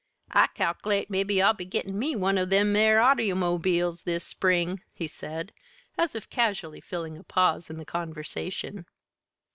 "I cal'late mebbe I'll be gettin' me one o' them 'ere autymobiles this spring," he said, as if casually filling a pause in the conversation.